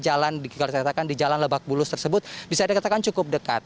jalan kalau dikatakan di jalan lebak bulus tersebut bisa dikatakan cukup dekat